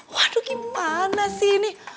waduh gimana sih ini